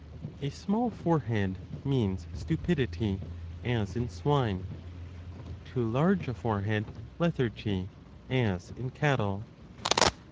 30 A small forehead means stupidity, as in swine : too large a forehead, lethargy, as in cattle.